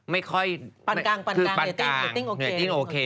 เหนือตี้งโอเค